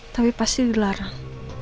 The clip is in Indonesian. tapi pasti dilarang